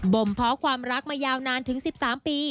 มเพาะความรักมายาวนานถึง๑๓ปี